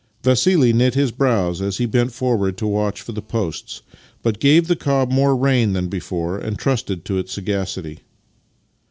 Vassili knit his brows as he bent forward to watch for the posts, but gave the cob more rein than before, and trusted to its sagacity.